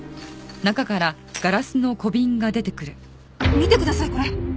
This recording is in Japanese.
見てくださいこれ！